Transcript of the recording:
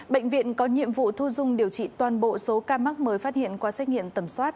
bệnh viện có nhiệm vụ thu dung điều trị toàn bộ số ca mắc mới phát hiện qua xét nghiệm tầm soát